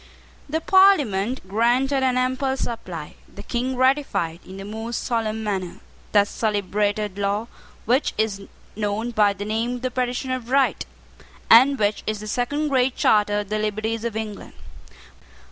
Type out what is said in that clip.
The Parliament granted an ample supply. The King ratified, in the most solemn manner, that celebrated law, which is known by the name of the Petition of Right, and which is the second Great Charter of the liberties of England.